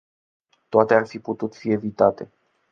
Toate ar fi putut fi evitate.